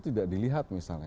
tidak dilihat misalnya